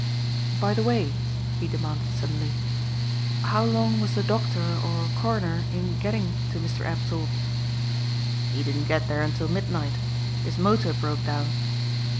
"By the way," he demanded suddenly, "how long was the doctor or coroner in getting to Mr. Apthorpe?" "He didn't get there until midnight. His motor broke down."